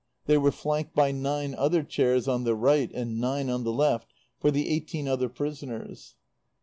They were flanked by nine other chairs on the right and nine on the left for the eighteen other prisoners.